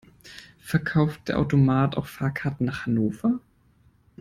Verkauft der Automat auch Fahrkarten nach Hannover?